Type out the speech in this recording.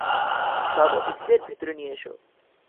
সব অতিথিদের ভেতরে নিয়ে এসো।